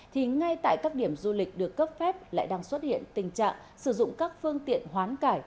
thì ngay tại các điểm du lịch được cấp phép lại đang xuất hiện tình trạng sử dụng các phương tiện hoán cải